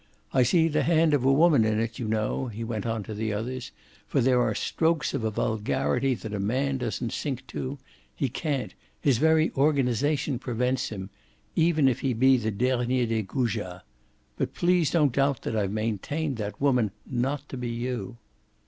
"I see the hand of a woman in it, you know," he went on to the others; "for there are strokes of a vulgarity that a man doesn't sink to he can't, his very organisation prevents him even if he be the dernier des goujats. But please don't doubt that I've maintained that woman not to be you."